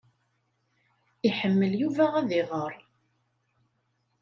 Iḥemmel Yuba ad iɣeṛ.